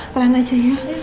pelan aja ya